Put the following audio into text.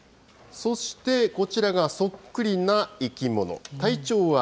そしてこちらがそっくりな生き物。